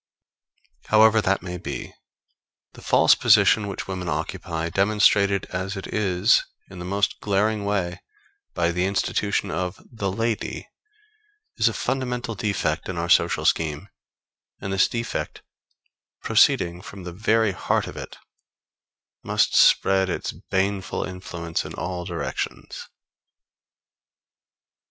However that may be, the false position which women occupy, demonstrated as it is, in the most glaring way, by the institution of the lady, is a fundamental defect in our social scheme, and this defect, proceeding from the very heart of it, must spread its baneful influence in all directions.